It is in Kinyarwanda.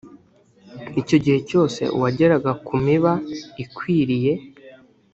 icyo gihe cyose uwageraga ku miba ikwiriye